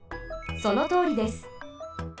そのとおりです。